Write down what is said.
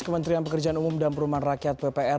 kementerian pekerjaan umum dan perumahan rakyat ppr